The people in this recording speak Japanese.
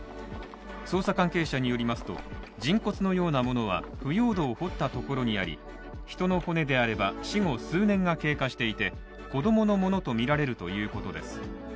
捜査関係者によりますと、人骨のようなものは腐葉土を掘ったところにあり、人の骨であれば、死後数年が経過していて子供のものとみられるということです。